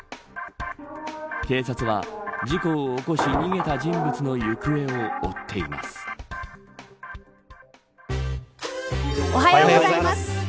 警察は、事故を起こし逃げた人物の行方をおはようございます。